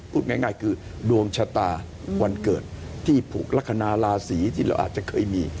พูดง่ายคือดวงชะตาวันเกิดที่ผูกลักษณะราศีที่เราอาจจะเคยมี